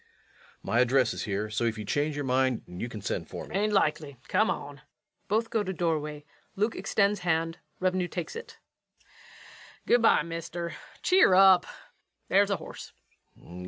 My address is here, so if you change your mind you can send for me. LUKE. 'Tain't likely come on. [Both go to doorway LUKE extends hand, REVENUE takes it.] Good by, mister cheer up ... there's the horse. REVENUE.